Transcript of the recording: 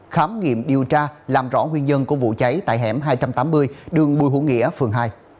khám nghiệm điều tra làm rõ nguyên nhân của vụ cháy tại hẻm hai trăm tám mươi đường bùi hữu nghĩa phường hai